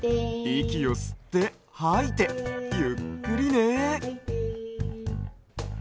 いきをすってはいてゆっくりね。